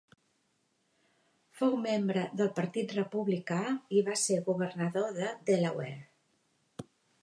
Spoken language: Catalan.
Fou membre del Partit Republicà i va ser governador de Delaware.